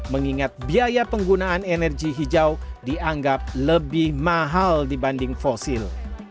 mengingat biaya penggunaan energi hijau dianggap lebih mahal dibanding fosil